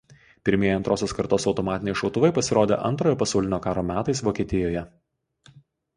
Pirmieji antrosios kartos automatiniai šautuvai pasirodė Antrojo pasaulinio karo metais Vokietijoje.